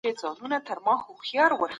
هر توری په کیبورډ کي خپل ځای لري.